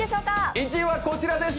１位はこちらでした！